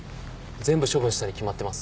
全部処分したに決まってます。